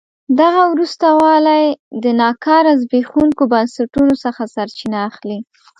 دغه وروسته والی د ناکاره زبېښونکو بنسټونو څخه سرچینه اخلي.